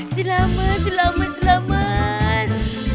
selamat selamat selamat